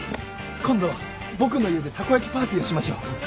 今度僕の家でたこやきパーティーをしましょう。